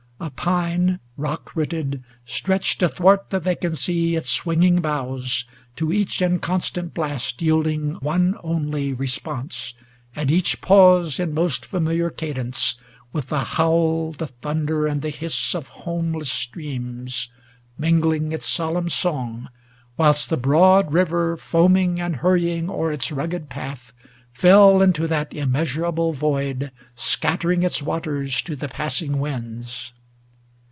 A pine. Rock rooted, stretched athwart the vacancy Its swinging boughs, to each inconstant blast Yielding one only response at each pause In most familiar cadence, with the howl. The thunder and the hiss of homeless streams Mingling its solemn song, whilst the broad river Foaming and hurrying o'er its rugged path, Fell into that immeasurable void, Scattering its waters to the passing winds.